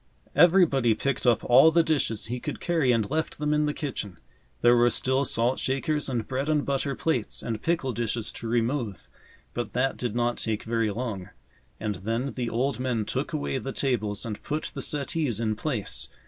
Everybody picked up all the dishes he could carry and left them in the kitchen. There were still salt shakers and bread and butter plates and pickle dishes to remove, but that did not take very long. And then the old men took away the tables and put the settees in place.